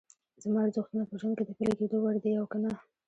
زما ارزښتونه په ژوند کې د پلي کېدو وړ دي او که نه؟